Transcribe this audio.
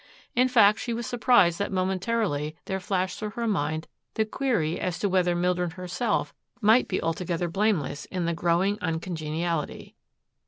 In fact she was surprised that momentarily there flashed through her mind the query as to whether Mildred herself might be altogether blameless in the growing uncongeniality.